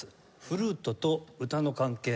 フルートと歌の関係